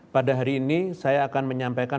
pada hari ini saya akan menyampaikan